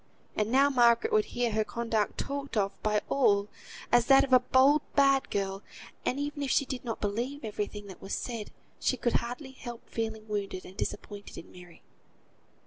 And now Margaret would hear her conduct talked of by all, as that of a bold, bad girl; and even if she did not believe every thing that was said, she could hardly help feeling wounded, and disappointed in Mary.